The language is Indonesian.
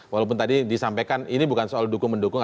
walaupun tadi disampaikan ini bukan soal dukung mendukung